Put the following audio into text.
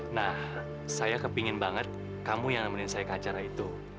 nah saya kepingin banget kamu yang nemenin saya ke acara itu